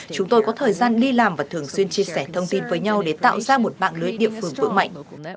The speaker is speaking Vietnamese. chúng tôi có thời gian đi làm và thường xuyên chia sẻ thông tin với nhau để tạo ra một mạng lưới địa phương vững mạnh